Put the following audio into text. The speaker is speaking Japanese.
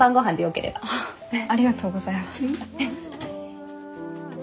ありがとうございます。